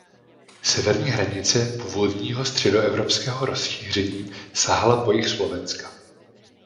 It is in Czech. Severní hranice původního středoevropského rozšíření sahala po jih Slovenska.